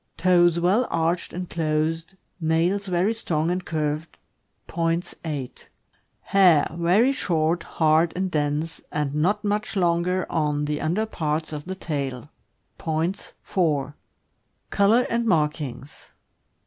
, Toes well arched and closed. Nails very strong and curved. Points, 8. Hair. — Very short, hard, and dense, and not much longer on the under part of the tail. Points, 4. Color and markings.